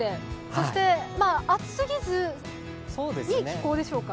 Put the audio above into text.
そして暑すぎず、いい気候でしょうか。